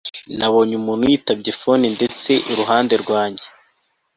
nabonye umuntu yitabye phone ndetse iruhande rwanjye